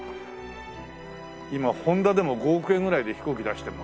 今Ｈｏｎｄａでも５億円ぐらいで飛行機出してるもんね。